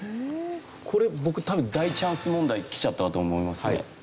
これ僕多分大チャンス問題きちゃったなと思いますね。